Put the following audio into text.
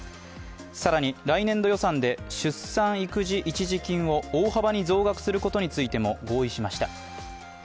更に、来年度予算で出産育児一時金を大幅に増額することについても合意しました。